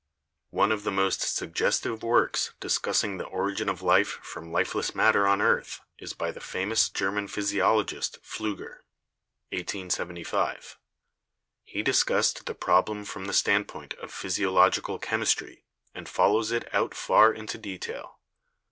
One of the most suggestive works discussing the origin of life from lifeless matter on the earth is by the famous German physiologist Pfliiger (1875). He discussed the problem from the standpoint of physiological chemistry THE ORIGIN OF LIFE 41 and follows it out far into detail.